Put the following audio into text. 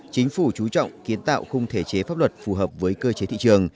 chính phủ chú trọng kiến tạo khung thể chế pháp luật phù hợp với cơ chế thị trường